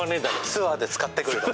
ツアーで使ってくれと。